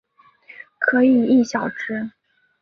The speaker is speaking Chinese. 可以意晓之。